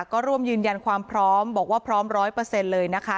ก็รวมยืนยันความพร้อมบอกว่าพร้อมร้อยเปอร์เซ็นต์เลยนะคะ